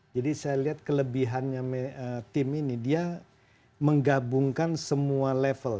jadi saya lihat kelebihannya tim ini dia menggabungkan semua level